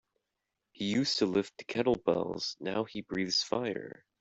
He used to lift kettlebells now he breathes fire.